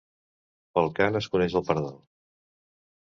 Pel cant es coneix al pardal.